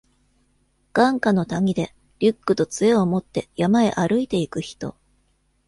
眼下の谷で、リュックと杖を持って山へ歩いて行く人。